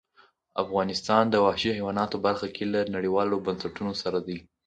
افغانستان د وحشي حیواناتو برخه کې له نړیوالو بنسټونو سره دی.